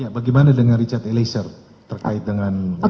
bagaimana dengan richard eliezer terkait dengan